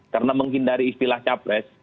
karena menghindari istilah capres